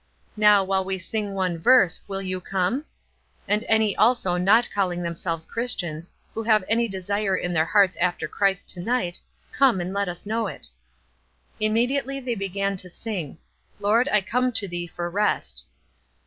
Now while we sing one verse will you come? And any also not calling themselves Christians, who have ?my desire in their hearts after Christ to night, come and let us know it." Immediately they began to sing, —" Lord, I come to thee for rest."